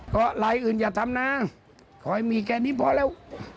ก็ลายอื่นอย่าทำนะขอให้มีแค่นี้พอแล้ว